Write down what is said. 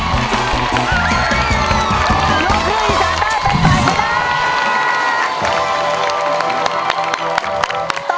ลูกครึ่งอีสานได้เป็นฝ่ายชนะ